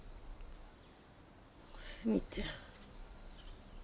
おすみちゃん。